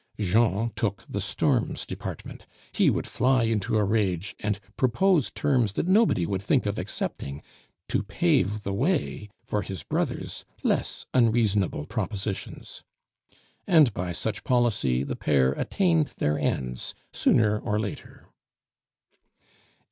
Jean took the storms department; he would fly into a rage, and propose terms that nobody would think of accepting, to pave the way for his brother's less unreasonable propositions. And by such policy the pair attained their ends, sooner or later.